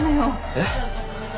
えっ？